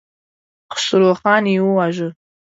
خسروخان يې وواژه.